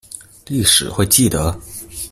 歷史會記得